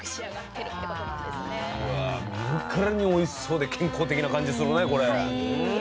見るからにおいしそうで健康的な感じするねこれ。